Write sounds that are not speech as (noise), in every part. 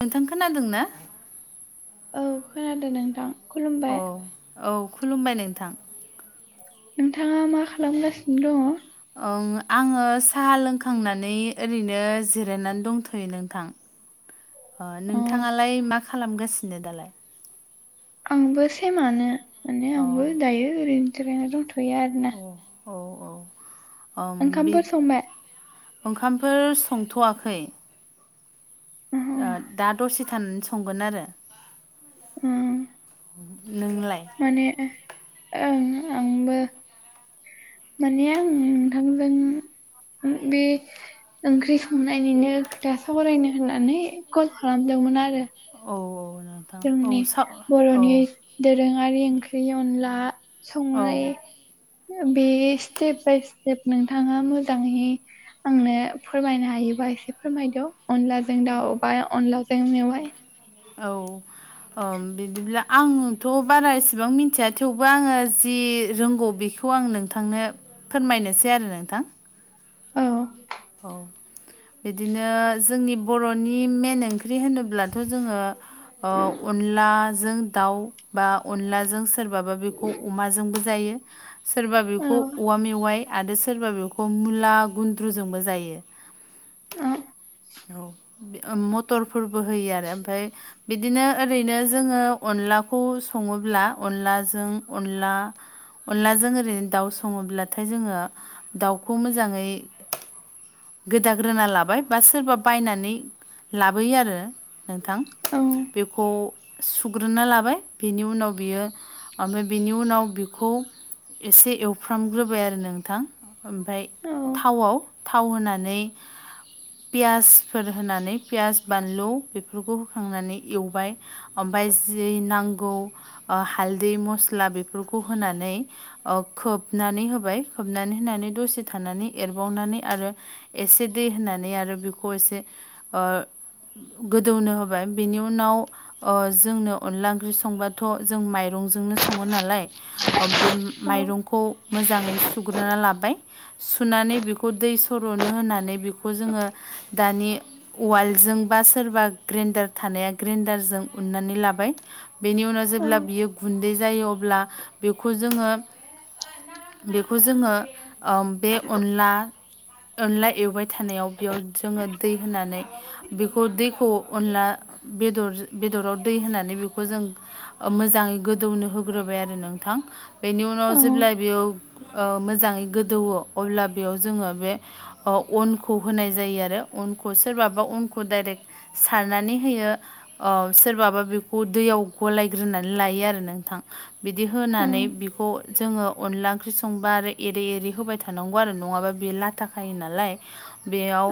नोंथां खोनादों ना औ खोनादों नोंथां अ खुलुमबाय औ खुलुमबाय नोंथां नोंथाङा मा खालामगासिनो दङ ओं आङो साहा लोंखांनानै ओरैनो जिरायनानै दंथ'यो नोंथां (inaudible) ओ नोंथाङालाय मा खालामगासिनो दालाय आंबो सेमानो माने अ आंबो दायो ओरैनो जिरायना दंथ'यो आरोना औ औ औ ओंखामफोर संबाय ओंखामफोर संथ'वाखै ओहो ओहो दा दसे थानानै संगोन आरो ओ नोंलाय माने ओं आंबो माने आं नोंथांजों बे ओंख्रि संनायनिनो खोथा सावरायनो होननानै कल खालामदोंमोन आरो औ औ न जोंनि बर'नि दोरोङारि ओंख्रि अनला संनाय औ बे स्टेप बाय स्टेप नोंथाङा मोजाङै आंनो फोरमायनो हायोबा एसे फोरमायदो अनलाजों दाावबाय अनलाजों मेवाय औ अ बिदिब्ला आंथ' बारा इसेबां मिथिया थेवबो आङो जि रोंगौ बेखौ खौ आं नोंथांनो फोरमायनोसै आरो नोंथां औ औ बिदिनो जोंनि बर'नि मेन ओंख्रि होनोब्लाथ' जोङो अनला जों दाउ बा अनलाजों सोरबाबा बेखौ अमाजोंबो जायो सोरबा औ बेखौ औवा मेवाइ आरो सोरबा बेखौ मुला गुन्द्रुजोंबो जायो (unintelligible) औ मटरफोरबो होयो आरो ओमफाय बिदिनो ओरैनो जोङो अनलाखौ सङोब्ला अनलाजों अनला अनलाजों ओरैनो दाउ सङोब्लाथाय जोङो दाउखौ मोजाङै गोदाग्रोना लाबाय बास सोरबा बायनानै लाबोयो आरो नोंथां औ बेखौ सुग्रोना लाबाय बिनि उनाव बियो ओमफ्राय बेनि उनाव बिखौ एसे एवफ्रामग्रोबाय आरो नोंथां ओमफाय औ थावाव थाव होनानै पियासफोर होनानै पियास बानलु बेफोरखौ होखांनानै एवबाय ओमफाय जि नांगौ हालदै मस्ला बेफोरखौ होनानै खोबनानै होबाय खोबनानै होनानै दसे थानानै एरबावनानै आरो एसे दै होनानै आरो बेखौ एसे ओ गोदौनो होबाय बेनि उनाव ओ जोंनो अनला ओंख्रि संबाथ जों माइरंजोंनो सङो नालाय बे औ माइरंखौ मोजाङै सुग्रोना लाबाय सुनानै बेखौ दै सरनो होनानै बेखौ जोङो दानि उवालजों बा सोरबा ग्रेन्डार थानाया ग्रेन्डारजों उननानै लाबाय बेनि उनाव औ जेब्ला बियो गुन्दै जायो अब्ला बेखौ जोङो बेखौ जोङो ओ बे अनला अनला एवबाय थानायाव बेयाव जोङो दै होनानै बेखौ दैखौ अनला बेदर बेदराव दै होनानै बेखौ जों मोजाङै गोदौनो होग्रोबाय आरो नोंथां बेनि उनाव जेब्ला बेयाव ओ मोजाङै गोदौवो अब्ला बेयाव जोङो बे अनखौ होनाय जायो आरो अनखौ सोरबाबा अनखौ डाइरेक्ट सारनानै होयो औ सोरबाबा बेखौ दैयाव गलायग्रोनानै लायो आरो नों थां बिदि औ होनानै बिखौ जोङो अनला ओंख्रि संबा आरो एरै एरै होबाय थानांगौ आरो नङाबा बेयो लाथाखायो नालाय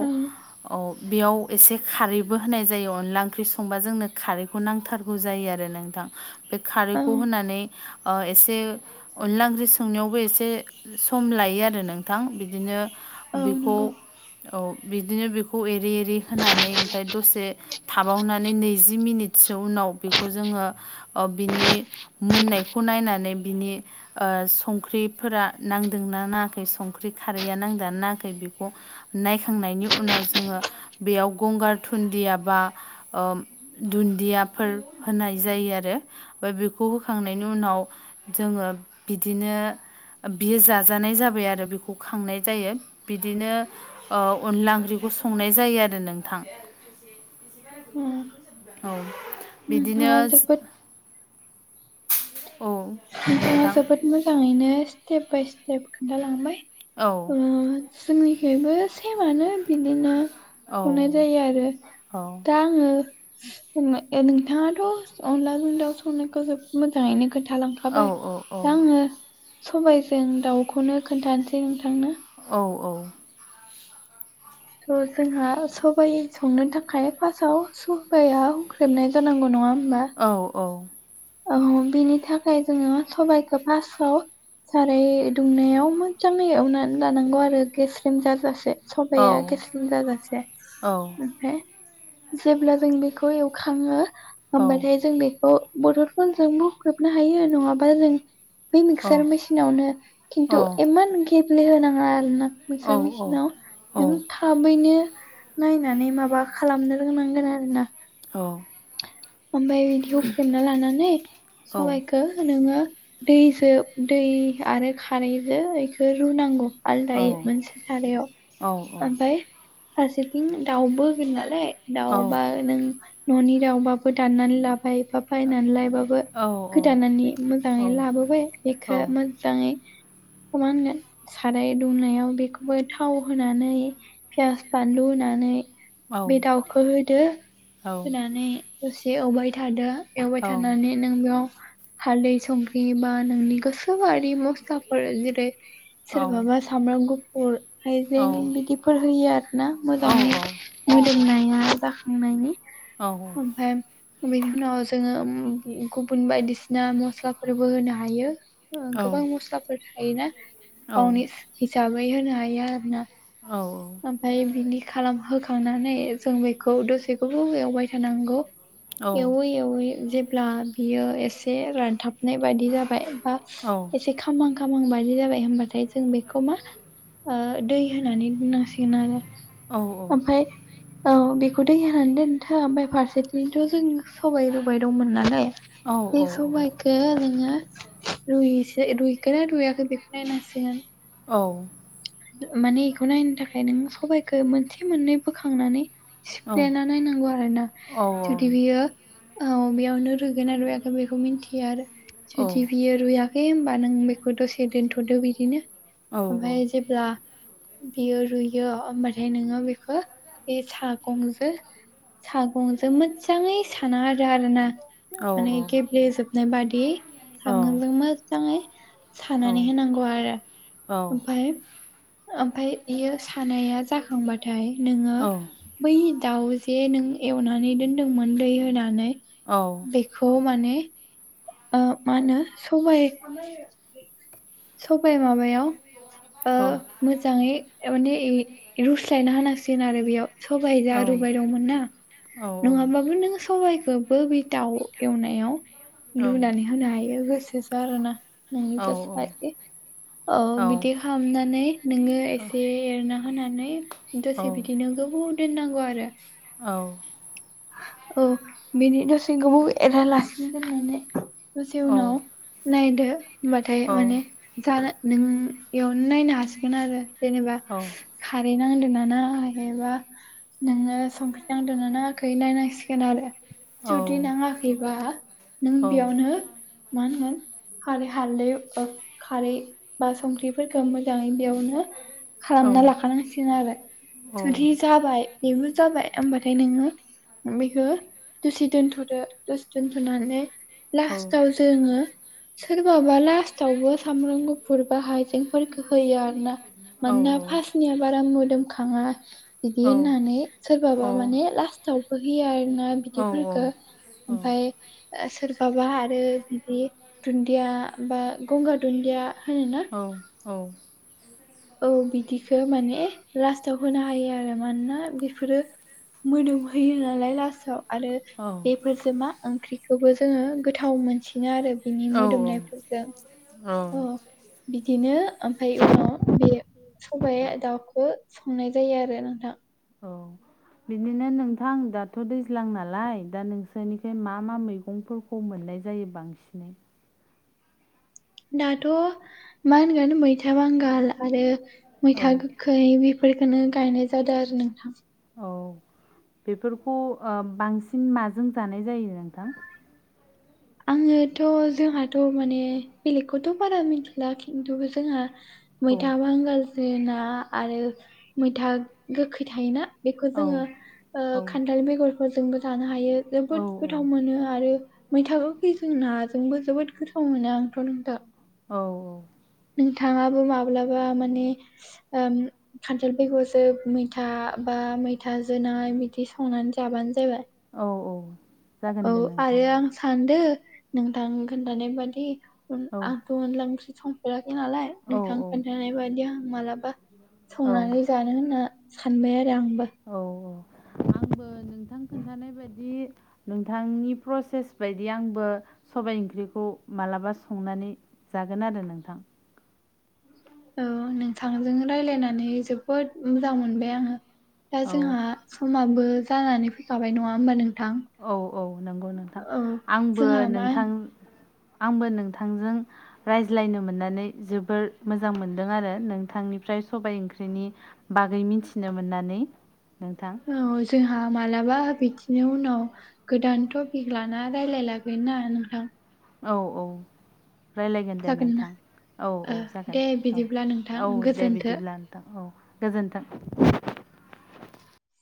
औ औ बेयाव एसे खारैबो होनाय जायो अनला ओंख्रि संबा जोंनो खारैखौ नांथार गौ जायो आरो नोंथां बे औ खारैखौ होनानै ओ एसे अनला ओंख्रि संनायावबो एसे सम लायो आरो नोंथां बिदिनो औ बेखौ नंगौ औ बिदिनो बेखौ एरै एरै होनानै ओमफ्राय दसे थाबावनानै नैजि मिनिटसो उनाव बेखौ जोङो बिनि मोननायखौ नायनानै बिनि ओ संख्रिफोरा नांदोंना नाङाखै संख्रि खारैया नांदोंना नाङाखै बेखौ नायखांनायनि उनाव जोङो बेयाव गंगार थुन्दिया बा दुन्दियाफोर होनाय जायो आरो ओमफ्राय बेखौ होखांनायनि उनाव जोङो बिदिनो बियो जाजानाय जाबाय आरो बेखौ खांनाय जायो बिदिनो ओ अनला ओंख्रिखौ संनाय जायो आरो नोंथां उम औ बिदिनो नोंथाङा जोबोद औ नोंथाङा नोंथां जोबोद मोजाङैनो स्टेप बाय स्टेप खोन्थालांबाय औ जोंनिखैबो सेमानो बिदिनो औ संनाय जायो आरो औ दा ओ नोंथाङाथअनलाजों दाउ संनायखौ जोबोद मोजाङैनो खोनथालां औ खाबाय दा आङो सबायजों दाउखौनो खोन्थानोसै नोंथांनो औ औ थ जोंहा सबाइ संनो थाखाय फार्स्टआव सबाइयाव हुख्रेमनाय जानांगौ नङा होमबा औ औ बिनि थाखाय जोङो सबाइखौ फार्स्टआव साराय दुंनायाव मोजाङै एवनानै लानांगौ आरो गेस्रेम जाजासे औ सबाया गेस्रोम जाजासे औ ओमफ्राय जेब्ला जों बेखौ एवखाङो होमबाथाय जों बेखौ बथलखौ जोंबो होख्रेबनो हायो नङाबा जों बे मिक्सार औ मेसिनावनो औ खिन्थु इमान गेब्लेहोनाङा आरोना मिखसार मेसिनाव नों था औ थाबैनो नायनानै माबा खालामनो रोंनांगोन आरोना औ ओमफ्राय बिदि हुख्रेमना लानानै सबाइखौ नोङो दैजों दै आरो खारैजों बेखौ रुनांगौ आलदायै मोनसे सारायाव ओमफाय फारसेथिं दाउबो होगोन नालाय दाउबा नों न'नि दाउबा बो दाननानै लाबाय बा बायनानै लायबाबो गोदानानै मोजाङै लाबोबाय बेखो मोजाङै समान नो साराय दुंनायाव बेखौबो थाव होनानै पियास बानलु होनानै बे दाउखौ होदो होनानै दसे एवबाय थादो एवबाय औ थानानै नों बेयाव हालदै संख्रि बा नोंनि गोसो बादि मस्लाफोर जेरै औ औ सोरबाबा सामब्राम गुफुर औ हाइजें बिदिफोर होयो आरोना औ मोजाङै औ मोदोमनाया जाखांनायनि औ औ फाय बेनि उनाव जोङो गुबुन बायदिसिना मस्लाफोरबो होनो हायो औ गोबां मस्लाफोर थायोना गावनि हिसाबै होनो हायो आरो ना औ औ ओमफ्राय बिनि खालाम होखांनानै जों बेखौ दसे गोबाव एवबाय थानांगौ एवै एवै जेब्ला बियो एसे रानथाबनाय बायदि जाबाय बा औ एसे खामहां खामहांबादि जाबाय होमबाथाय जों बेखौ मा ओ दै होनानै दोननां सिगोन आरो औ आमफ्राय औ बेखौ दै होननानै दोनथो ओमफ्राय फारसेथिंथ' जों सबाय रूबाय दंमोन नालाय ए सबाय खो नोङो रुइस रुइखोना रुइयाखै बेखौ नायनांसिगोन औ माने बेखौ नायनो थाखाय नों सबाइखौ मोनसे मोननै बोखांनानै सिफ्लेना नायनांगौ आरो ना जुदि बियो औ बेयावनो रुयगोन ना रुयाखै बेखौ मिथियो आरो जुदि बियो रुया खै होमबा नों बेखौ दसे दोनथ'दो बिदिनो ओमफ्राय जेब्ला बियो रुयो ओमबाथाय नोङो बेखौ बे सागंजों सागंजों मोजाङै साना आरो आरो ना माने गेब्लेेजोबनाय बादि सांगंजों मोजाङै सानानै होनांगौ आरो ओमफाय ओमफाय इयो सानाया जाखांबाथाय नोङो बै दाउ जे नों एवनानै दोनदोंमोन दै होनानै औ बेखौ माने ओ मा होनो सबाइ सबाइ माबायाव ओ मोजाङै माने रुस्लायना होनांसिगोन आरो बेयाव सबाइ जा रुबाय दंमोन ना नङाबाबो नों सबाइखौ बो बे दाउ एवनायाव लुनानै होनो हायो गोसोसो आरो ना नोंनि गोसो औ बिदि खालामनानै नोङो एसे एरना होनानै दसे बिदिनो गोबाव दोननांगौ आरो औ। औ बेनि दसे गोबाव एराना लासिगोन दसे उनावनो नायदो होनबाथाय माने जों नों एवना नायनो हासिगोन आरो जेनेबा खारै नांदों नाडाखै बा नोङो संख्रि नांदोना नाडाखै। नायनांसिगोन आरो जुदि नाङाखैबा नों बेयावनो मा होनगोन खारै हालदै खारै बा संख्रिफोरखौ मोजाङै बेयावनो खालामना लाखानांसिगोन आरो। जाबाय बेबो जाबाय होमबाथाय नोङो बेखौ दसि दोनथ'दो दुसि दोनथ'नानै लास्टाव जोङो सोरबाबा लासटांबो सामब्राम गोफोरा बुरबा हाइजेंफोरखौ होयो आरो ना औ मानोना औ फासनिया बारा मोदोमखाङा औ बिदि होननानै सोरबाबा माने लास्टाव होयो आरोना औ बिदिफोरखौो ओमफाय सोरबाबा आरो बिदि दुन्दिया बा गंगार दुन्दिया होयो ना औ औ। औ बिदिखो माने लास्टाव होनो हायो आरो मानोना बेफोरो मोदोम होयो नालाय लास्टाव आरो औ बेफोरजों मा ओंख्रिखौबो जोङो गोथाव मोनसिनो आरो ना बिनि मोदोमनायफोर औ। अ बिदिनो ओमफ्राय उनाव बे सबाइ दाउखौ संनाय जायो आरो नोंथां। औ। बिदिनो नोंथां दाथ' दैज्लां नालाय दा नोंसोरनिफ्राय मा मा मैगंफोरखौ खम मोननाय जायो बांसिनै दाथ' मा होनगोन मैथा बांगाल आरो औ मैथा गोखैबो बेफोरखौनो गायनाय जादों आरो नोंथां। औ बेफोरखौ बांसिन माजों जानाय जायो नोंथां। आङोथ' जोंहाथ' माने बेलेगखौथ' बारा मिथिला खिन्थु जोंहा औ मैथा बांगाल जोना आरो मैथा गोखै थायोना बेखौ औ जोङो ओ औ खान्थाल बेगरफोरजों जानो हायो औ जोबोद गोथाव मोनो आरो मैथा गोखैजों नाजोंबो जोबोद गोथाव मोनो आंथ'। औ। नों थाङाबो माब्लाबा माने आ खान्थाल बेगरजों मैथा बा मैथाजों ना बिदि संनानै जाबानो जाबाय। औ औ। जागोन औ दे आरो नोंथां। आं सानदों नोंथां खोन्थानाय बादि औ अनलाखौसो संफेराखै नालाय औ नोंथां औ खोन्थानाय बायदिया मालाबा। औ संनानै जानो होनना सानबाय आरो आंबो औ औ आंबो नोंथां खोन्थानाय बायदि नोंथांनि प्रसेस बायदि आंबो सबाय ओंख्रिखौ मालाबा संनानै ओ जागोन आरो नोंथां। औ नोंथांजों रायजलायनानै जोबोद मोजां मोनबाय आङो दा औ जोंहा समाबो जानानै फैखाबाय नङा होमबा नोंथां। औ औ नंगौ नोंथां औ आंबो जोंहा मा नोंथां आंबो नोंथांनो रायज्लायनो मोननानै जोबोर मोजां मोनदों आरो नोंथांनिफ्राय सबाय ओंख्रिनि बागै मिथिनो मोननानै नोंथां। औ जोंहा मालाबा बिदिनि उनाव गोदान टपिक लाना रायज्लायलायगोनना नोंथां। औ औ रायज्लायगोन दे जागोन ना नोंथां औ औ ओ जागोन दे औ बिदिब्ला नोंथां औ दे गोजोनथो बिदिब्ला। औ गोजोन्थों नोंथां।